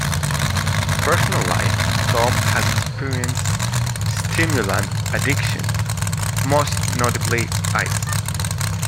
Personal Life: Tom has experienced stimulant addiction, most notably 'Ice'.